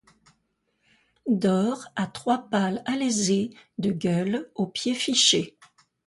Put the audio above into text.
D'or, à trois pals alésés de gueules au pied fiché.